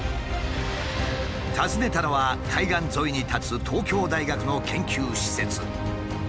訪ねたのは海岸沿いに立つ東京大学の研究施設。